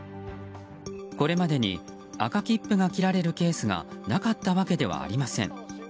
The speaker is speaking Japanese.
これまでに赤切符が切られるケースがなかったわけではありません。